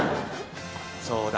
そうだ。